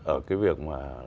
ở cái việc mà